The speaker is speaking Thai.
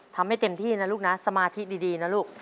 ทำให้เต็มที่นะลูกนะสมาธิดีนะลูก